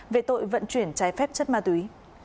về tội vận chuyển trái phép chất ma túy